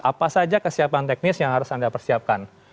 apa saja kesiapan teknis yang harus diberikan